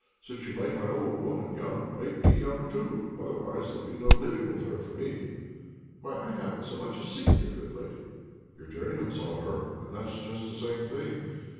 Since you made my old woman young, make me young too; otherwise, there will be no living with her for me." "Why I haven't so much as seen your good lady." "Your journeyman saw her, and that's just the same thing.